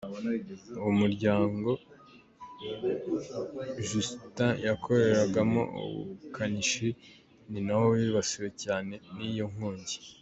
Uwo muryango Justin yakoreragamo ubukanishi ni na wo wibasiwe cyane n’iyo nkongi.